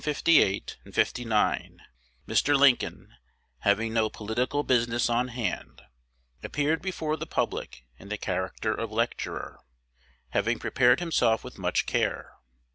CHAPTER XVII IN the winter of 1858 9, Mr. Lincoln, having no political business on hand, appeared before the public in the character of lecturer, having prepared himself with much care.